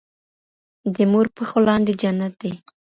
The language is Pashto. د مور پښو لاندې جنت دی.